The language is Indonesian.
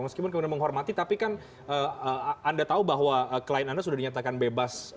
meskipun kemudian menghormati tapi kan anda tahu bahwa klien anda sudah dinyatakan bebas